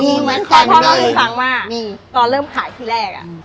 มีมันพ่อช่วยข้างมาตอนเริ่มขายที่แรก